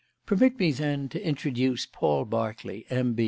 Permit me, then, to introduce Paul Berkeley, M.